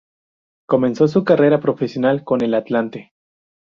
Comenzó su carrera profesional con el Atlante.